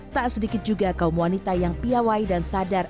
tak sedikit juga kaum wanita yang piawai dan sadar